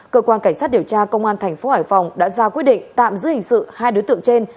cơ quan cảnh sát điều tra công an thành phố hải phòng đã ra quyết định tạm giữ hình sự hai đối tượng trên